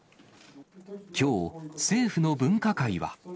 きょう、政府の分科会は。